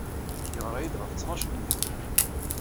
Yeɣra-iyi-d ɣef ttnac n yiḍ.